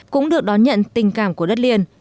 cũng được đón nhận tình cảm của đất liền